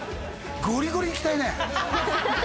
ゴリゴリいきたいね